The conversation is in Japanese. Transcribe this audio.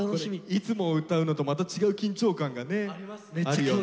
いつも歌うのとまた違う緊張感がね。ありますね。